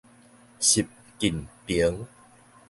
習近平